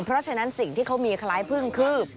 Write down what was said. เพราะฉะนั้นสิ่งที่เขามีคล้ายพึ่งคือ